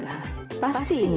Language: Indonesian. ya suara seperti gadis